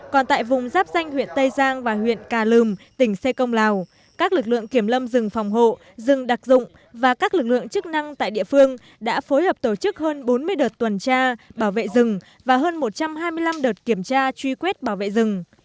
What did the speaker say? còn tại vùng giáp danh huyện tây giang và huyện cà lùm tỉnh xê công lào các lực lượng kiểm lâm rừng phòng hộ rừng đặc dụng và các lực lượng chức năng tại địa phương đã phối hợp tổ chức hơn bốn mươi đợt tuần tra bảo vệ rừng và hơn một trăm hai mươi năm đợt kiểm tra truy quét bảo vệ rừng